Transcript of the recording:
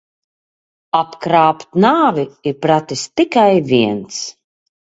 Apkrāpt nāvi ir pratis tikai viens.